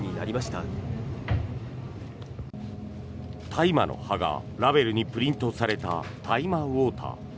大麻の葉がラベルにプリントされた大麻ウォーター。